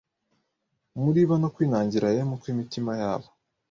muri bo no kwinangira m kw imitima yabo